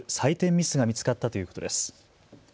ミスが見つかったということです。